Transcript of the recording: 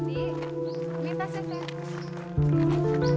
andi ini pasnya kak